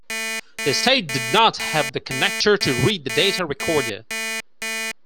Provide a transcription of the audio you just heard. The State did not have the connector to read the data recorder.